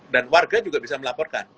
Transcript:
dan warga juga bisa melaporkan